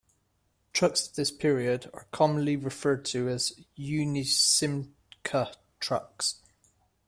Trucks of this period are commonly referred to as Unic-Simca trucks.